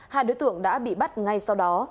hai đối tượng đã bị bắt ngay sau đó